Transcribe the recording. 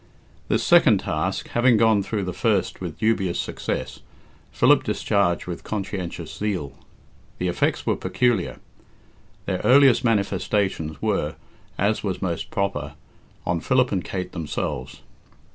This second task, having gone through the first with dubious success, Philip discharged with conscientious zeal. The effects were peculiar. Their earliest manifestations were, as was most proper, on Philip and Kate themselves.